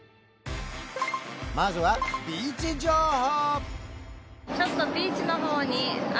まずはビーチ情報！